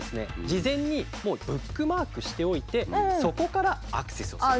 事前にもうブックマークしておいてそこからアクセスをする。